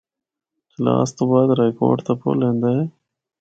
چلاس تو بعد رائےکوٹ دا پُل ایندا ہے۔